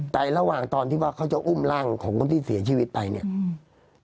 แต่ระหว่างตอนที่ว่าเขาจะอุ้มร่างของคนที่เสียชีวิตไปเนี่ยอืม